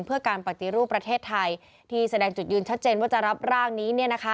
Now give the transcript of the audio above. เพื่อการปฏิรูปประเทศไทยที่แสดงจุดยืนชัดเจนว่าจะรับร่างนี้